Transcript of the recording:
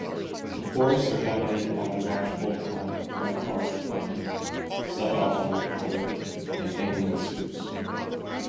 The forests are dominated by lodgepole pine, whitebark pine, subalpine fir, and Engelmann spruce.